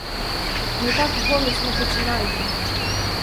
Не так голосно починайте.